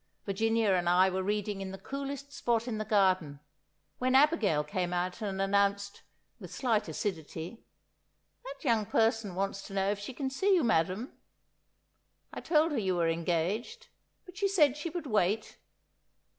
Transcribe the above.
Virginia and I were reading in the coolest spot in the garden, when Abigail came out and announced, with slight acidity, "That young person wants to know if she can see you, madam. I told her you were engaged, but she said she would wait."